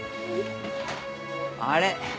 「あれ？」